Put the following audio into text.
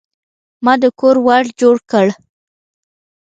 ما د کور ور جوړ کړ.